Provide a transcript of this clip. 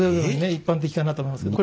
一般的かなと思うんですけど。